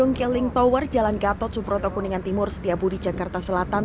menangkap kota yang terkenal di kota jalan gatot subroto kuningan timur setiabudi jakarta selatan